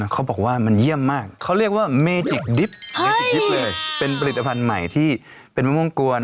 เขาบอกว่ามันเยี่ยมมากเขาเรียกว่าเฮ้ยเป็นปริศาสตร์แผ่นใหม่ที่เป็นมะม่วงกวน